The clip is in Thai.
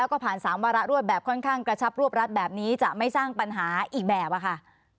แล้วก็ผ่าน๓วาระรวดแบบค่อนข้างกระชับรวบรัดแบบนี้จะไม่สร้างปัญหาอีกแบบอะค่ะ